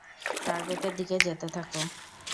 টার্গেটের দিকে যেতে থাকো।